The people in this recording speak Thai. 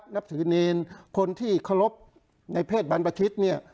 นับถือเนรคนที่เคารพในเพศบรรพชิตเนี่ย